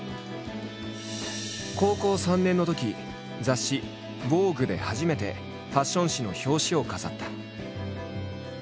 高校３年のとき雑誌「ＶＯＧＵＥ」で初めてファッション誌の表紙を飾った。